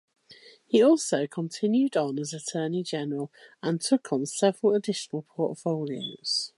He also continued on as Attorney-General, and took on several additional portfolios.